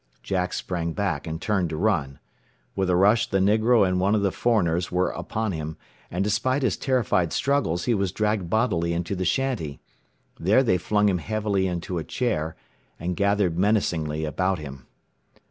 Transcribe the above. Jack sprang back, and turned to run. With a rush the negro and one of the foreigners were upon him, and despite his terrified struggles he was dragged bodily into the shanty. There they flung him heavily into a chair, and gathered menacingly about him.